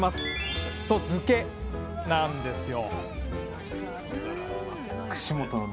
そう漬けなんですよ！